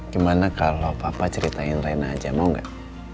gimana kalau papa ceritain rena aja mau nggak